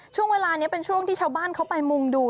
ช่วงเวลานี้เป็นช่วงที่ชาวบ้านเขาไปมุ่งดู